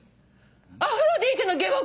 「アフロディーテの下僕」！